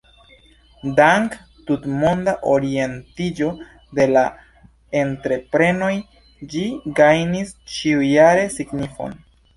Dank tutmonda orientiĝo de la entreprenoj ĝi gajnis ĉiu-jare signifon.